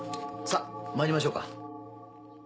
さっまいりましょうか。